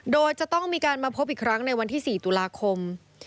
โดยจะต้องมีการมาพบอีกครั้งในวันที่๔ตุลาคม